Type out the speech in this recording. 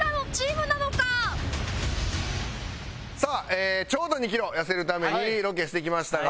さあちょうど２キロ痩せるためにロケしてきましたが。